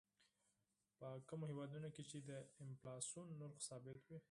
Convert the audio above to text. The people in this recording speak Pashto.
په کومو هېوادونو کې چې د انفلاسیون نرخ ثابت وي.